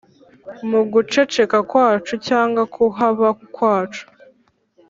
mu guceceka kwacu cyangwa kuhaba kwacu